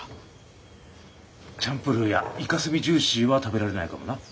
チャンプルーやイカスミジューシーは食べられないかもな。